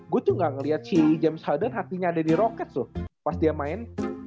gue tuh gak ngeliat si james hadden hatinya ada di roket tuh pas dia main